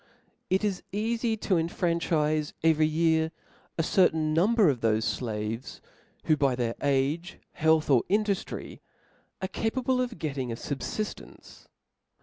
It is eafy to enfranchife every year a certain number of thofe flaves, who by their age, health or induftry, are capable of getting a fob liftence.